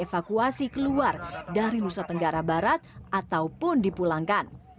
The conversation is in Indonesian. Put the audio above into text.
evakuasi keluar dari nusa tenggara barat ataupun dipulangkan